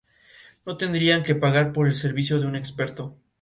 No tendrían que pagar por el servicio de un experto.